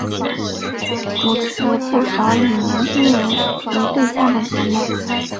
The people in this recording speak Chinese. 主持不少以年青人为对象的节目。